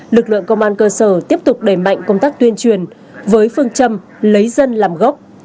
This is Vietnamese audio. lực lượng công an cơ sở tiếp tục đẩy mạnh công tác tuyên truyền với phương châm lấy dân làm gốc